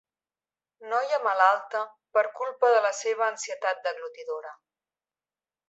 Noia malalta per culpa de la seva ansietat deglutidora.